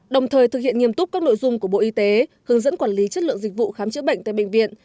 đồng thời thực hiện nghiêm túc các nội dung của bộ y tế hướng dẫn quản lý chất lượng dịch vụ khám chữa bệnh tại bệnh viện